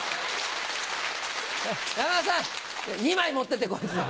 山田さん２枚持ってってこいつの。